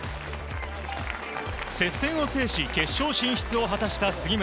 接戦を制し決勝進出を果たした杉浦。